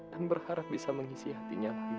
dan berharap bisa mengisi hatinya lagi